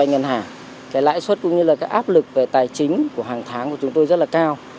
giờ các áp lực về tài chính của hàng tháng của chúng tôi rất là cao